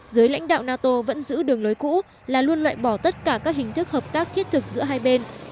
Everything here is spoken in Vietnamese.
giới lãnh đạo nato vẫn giữ đường lối cũ là luôn loại bỏ tất cả các hình thức hợp tác thiết thực giữa hai bên